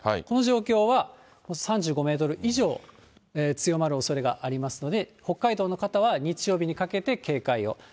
この状況は３５メートル以上強まるおそれがありますので、北海道の方は日曜日にかけて警戒を。